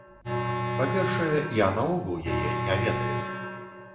Па-першае, я наогул яе не ведаю.